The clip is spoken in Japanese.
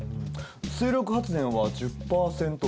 水力発電は１０％前後。